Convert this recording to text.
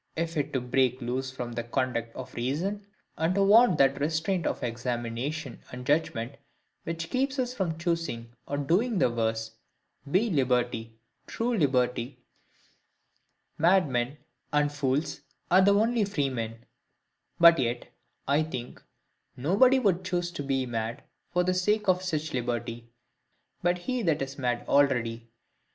If to break loose from the conduct of reason, and to want that restraint of examination and judgment which keeps us from choosing or doing the worse, be liberty, true liberty, madmen and fools are the only freemen: but yet, I think, nobody would choose to be mad for the sake of such liberty, but he that is mad already.